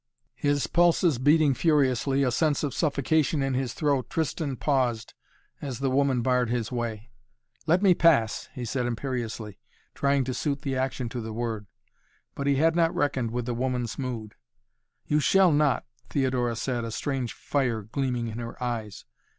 His pulses beating furiously, a sense of suffocation in his throat, Tristan paused as the woman barred his way. "Let me pass!" he said imperiously, trying to suit the action to the word. But he had not reckoned with the woman's mood. "You shall not," Theodora said, a strange fire gleaming in her eyes.